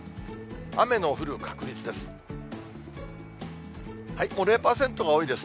雨の降る確率です。